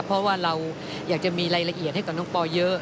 เพราะว่าเราอยากจะมีรายละเอียดให้กับน้องปอเยอะ